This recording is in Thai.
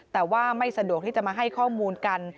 แต่ว่าไม่สะดวกที่จะมาให้ข้อมูลกัน